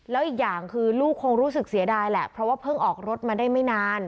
แล้วอีกอย่างคือลูกคงรู้สึกเสียดายแหละเพราะว่าเพิ่งออกรถมาได้ไม่นาน